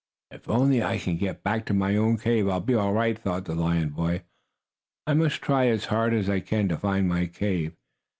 "If only I can get back to my own cave I'll be all right," thought the lion boy. "I must try as hard as I can to find my cave.